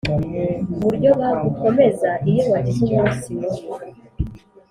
Uburyo bagukomeza iyo wagize umunsi mubi